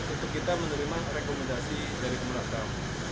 untuk kita menerima rekomendasi dari komnas ham